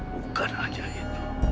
bukan hanya itu